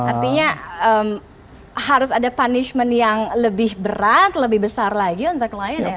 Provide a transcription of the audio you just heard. artinya harus ada punishment yang lebih berat lebih besar lagi untuk lion ya